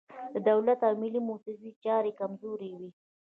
د دولتي او ملي موسسو چارې کمزورې وي.